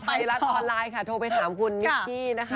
ไทยรัฐออนไลน์ค่ะโทรไปถามคุณมิกกี้นะคะ